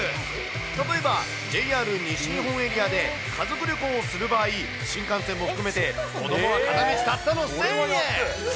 例えばＪＲ西日本エリアで家族旅行をする場合、新幹線も含めて子どもは片道たったの１０００円。